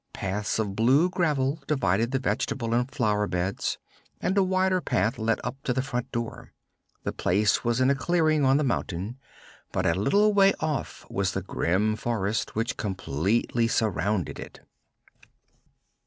Paths of blue gravel divided the vegetable and flower beds and a wider path led up to the front door. The place was in a clearing on the mountain, but a little way off was the grim forest, which completely surrounded it.